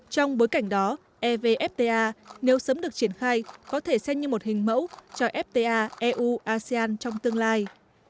trong bối cảnh đó evfta nếu sớm được triển khai có thể xem như một hình mẫu cho fta eu asean trong tương lai